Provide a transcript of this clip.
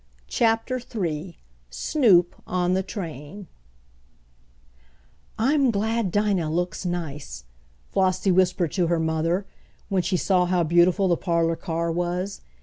CHAPTER III SNOOP ON THE TRAIN "I'm glad Dinah looks nice," Flossie whispered to her mother, when she saw how beautiful the parlor car was.